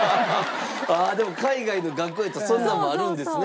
ああでも海外の学校やとそんなんもあるんですね。